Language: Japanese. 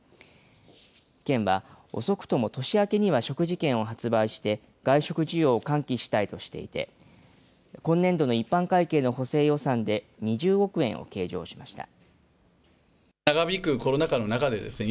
県は遅くとも年明けには食事券を発売して、外食需要を喚起したいとしていて、今年度の一般会計の補正予算で、２０億円を計上しました。